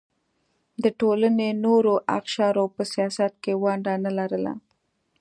د ټولنې نورو اقشارو په سیاست کې ونډه نه لرله.